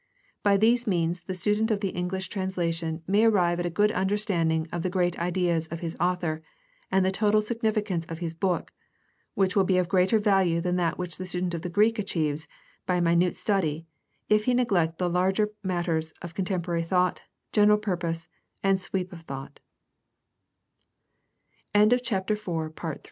By these means the student of the EngHsh translation may arrive at a good understanding of the great ideas of his author and the total significance of his book, which will be of greater value than that which the stu dent of the Greek achieves by minute study if he neglect the larger matters of contemporary thought, general purpose, and sweep